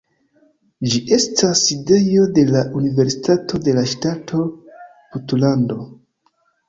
Ĝi estas sidejo de la Universitato de la Ŝtato Puntlando.